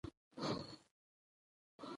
د ټاپي پروژه د سیمې په کچه اقتصادي ګټه لري.